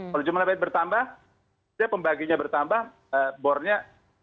kalau jumlah bed bertambah pembaginya bertambah bornya